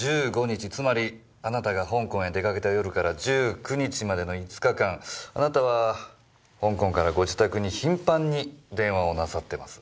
つまりあなたが香港へ出かけた夜から１９日までの５日間あなたは香港からご自宅に頻繁に電話をなさってます。